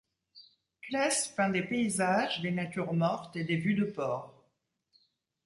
Clesse peint des paysages, des natures mortes et des vues de port.